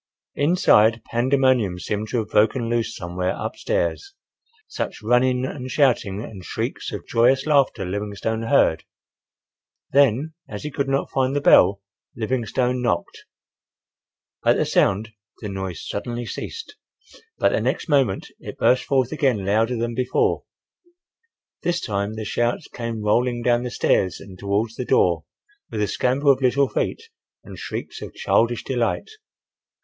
Inside, pandemonium seemed to have broken loose somewhere up stairs, such running and shouting and shrieks of joyous laughter Livingstone heard. Then, as he could not find the bell, Livingstone knocked. At the sound the noise suddenly ceased, but the next moment it burst forth again louder than before. This time the shouts came rolling down the stairs and towards the door, with a scamper of little feet and shrieks of childish delight.